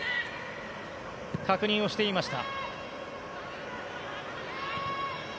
確認をしていました。